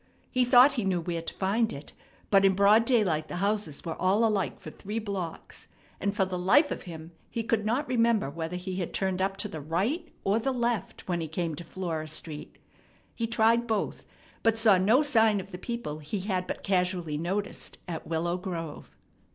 He thought he knew where to find it, but in broad daylight the houses were all alike for three blocks, and for the life of him he could not remember whether he had turned up to the right or the left when he came to Flora Street. He tried both, but saw no sign of the people he had but casually noticed at Willow Grove.